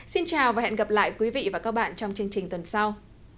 xin chào và hẹn gặp lại quý vị và các bạn trong chương trình tuần sau